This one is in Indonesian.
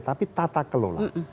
tapi tata kelola